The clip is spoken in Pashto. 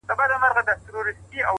هغه د بل د كور ډېوه جوړه ده،